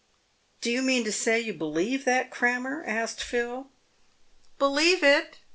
" Do you mean to say you believe that crammer ?" asked Phil. " Believe it?"